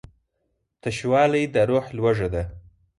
تشوالی د روح لوږه ده.